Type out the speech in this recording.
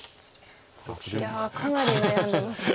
いやかなり悩んでますね。